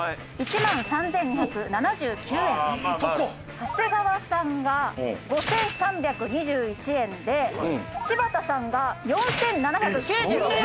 長谷川さんが５３２１円で柴田さんが４７９６円。